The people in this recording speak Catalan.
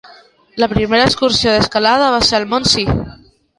La primera excursió d'escalada va ser al mont Si.